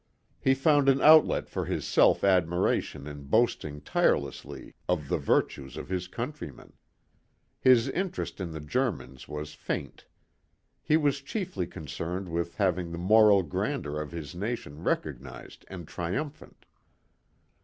He found an outlet for his self admiration in boasting tirelessly of the virtues of his countrymen. His interest in the Germans was faint. He was chiefly concerned with having the moral grandeur of his nation recognized and triumphant.